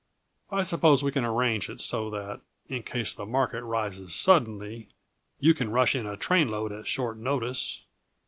I suppose we can arrange it so that, in case the market rises suddenly, you can rush in a trainload at short notice?"